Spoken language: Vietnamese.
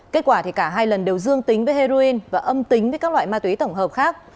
kết quả cả hai lần đều dương tính với heroin và âm tính với các loại ma túy tổng hợp khác